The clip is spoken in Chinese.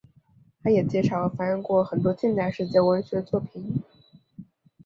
它也介绍和翻译过很多近代世界文学作品。